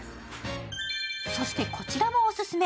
そして、こちらもオススメ。